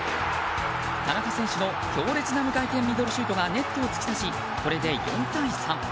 田中選手の強烈な無回転ミドルシュートがネットを突き刺し、これで４対３。